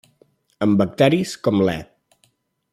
En bacteris, com l’E.